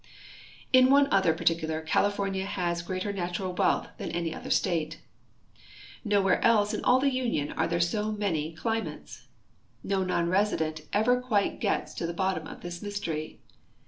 In one other particular California has greater natural wealth than any other state. Not elsewhere in all the Union are there so many climates. No non resident ever quite gets to the bottom of this mystery.